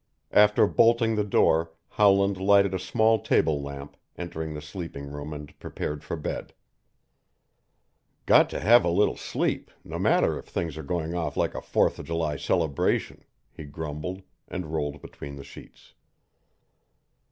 After bolting the door Howland lighted a small table lamp, entered the sleeping room and prepared for bed. "Got to have a little sleep no matter if things are going off like a Fourth of July celebration," he grumbled, and rolled between the sheets.